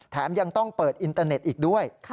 แถมยังต้องเปิดอินเตอร์เน็ตอีกด้วย